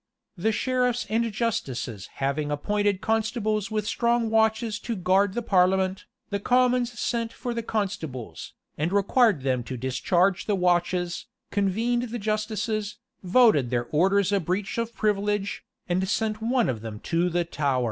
[] The sheriffs and justices having appointed constables with strong watches to guard the parliament, the commons sent for the constables, and required them to discharge the watches, convened the justices, voted their orders a breach of privilege, and sent one of them to the Tower.